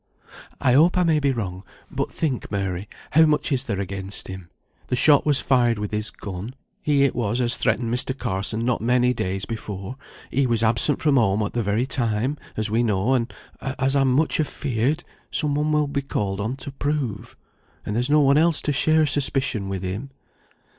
"I hope I may be wrong; but think, Mary, how much there is against him. The shot was fired with his gun; he it was as threatened Mr. Carson not many days before; he was absent from home at that very time, as we know, and, as I'm much afeared, some one will be called on to prove; and there's no one else to share suspicion with him."